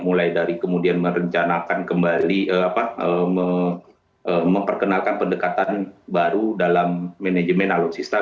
mulai dari kemudian merencanakan kembali memperkenalkan pendekatan baru dalam manajemen alutsista